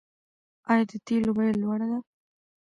آیا د تیلو بیه لوړه ده؟